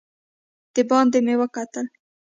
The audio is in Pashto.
دباندې مې وکتل.